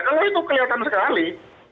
kalau itu kelihatan sekali